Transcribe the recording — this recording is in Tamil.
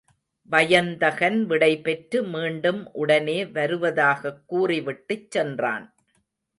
வயந்தகன் விடை பெற்று மீண்டும் உடனே வருவதாகக் கூறிவிட்டுச் சென்றான்.